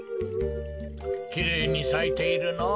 きれいにさいているのぉ。